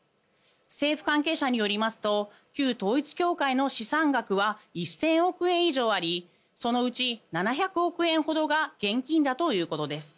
政府関係者によりますと旧統一教会の資産額は１０００億円以上ありそのうち７００億円ほどが現金だということです。